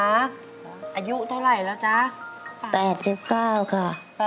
อายุเท่าไรแล้วจ๊ะ